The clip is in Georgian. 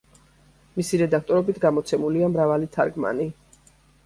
მისი რედაქტორობით გამოცემულია მრავალი თარგმანი.